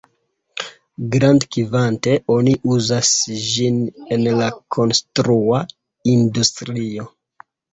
Grandkvante, oni uzas ĝin en la konstrua industrio.